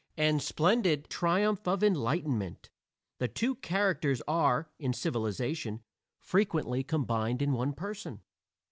And splendid triumph of enlightenment! the two characters are, in civilization, frequently combined in one person.